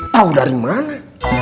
tahu dari mana